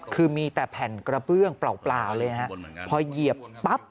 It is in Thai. คือมีแต่แผ่นกระเบื้องเปล่าเลยฮะพอเหยียบปั๊บ